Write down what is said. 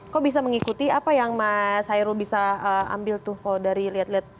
kok bisa mengikuti apa yang mas hairul bisa ambil tuh dari liat liat video asing